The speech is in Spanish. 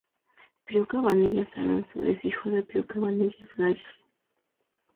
Pío Cabanillas Alonso es hijo de Pío Cabanillas Gallas.